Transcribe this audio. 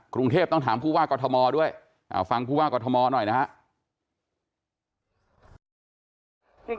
กรุงเทพต้องถามผู้ว่ากอทมด้วยฟังผู้ว่ากอทมหน่อยนะครับ